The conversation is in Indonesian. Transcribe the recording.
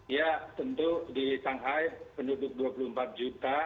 ya tentu di shanghai penduduk dua puluh empat juta